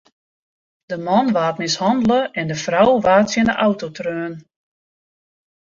De man waard mishannele en de frou waard tsjin de auto treaun.